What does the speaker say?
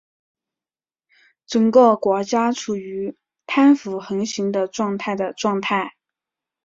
整个国家处于贪腐横行的状态的状态。